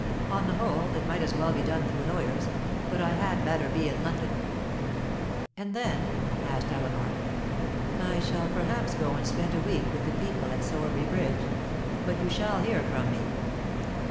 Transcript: On the whole, it might as well be done through lawyers, but I had better be in London." "And then?" asked Eleanor. "I shall perhaps go and spend a week with the people at Sowerby Bridge. But you shall hear from me."